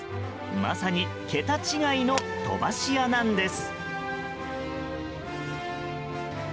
まさに桁違いの飛ばし屋なんです。